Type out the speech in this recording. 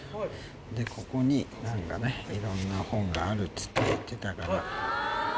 でここに何かねいろんな本があるっつってたから。